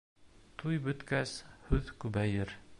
Туй бөткәс, һүҙ күбәйер.